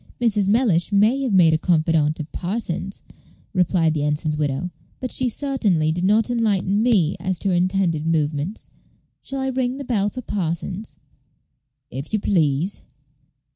"Mrs. Mellish may have made a confidante of Parsons," replied the ensign's widow, "but she certainly did not enlighten me as to her intended movements. Shall I ring the bell for Parsons?" "If you please."